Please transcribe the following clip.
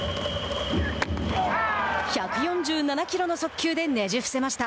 １４７キロの速球でねじ伏せました。